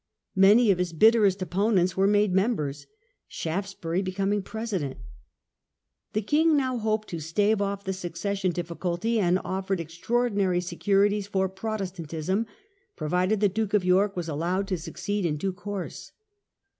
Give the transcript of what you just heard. Many of his bitterest opponents were made members, Shaftesbury be coming President. The king now hoped to stave off the succession difficulty, and offered extraordinary securities for Protestantism, provided the Duke of York was allowed to succeed in due course.